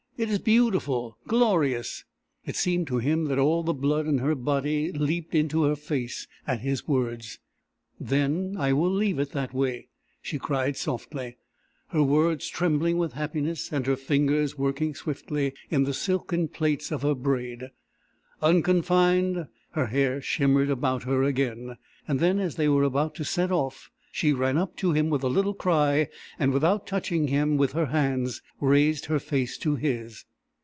"It is beautiful. Glorious." It seemed to him that all the blood in her body leaped into her face at his words. "Then I will leave it that way," she cried softly, her words trembling with happiness and her fingers working swiftly in the silken plaits of her braid. Unconfined, her hair shimmered about her again. And then, as they were about to set off, she ran up to him with a little cry, and without touching him with her hands raised her face to his.